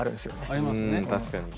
確かに。